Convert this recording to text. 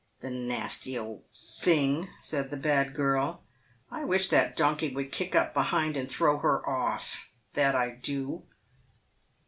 "The nasty old thing!" said the bad girl, "I wish that donkey would kick up behind and throw her off, that I do."